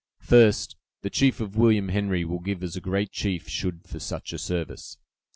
First, the chief of William Henry will give as a great chief should for such a service.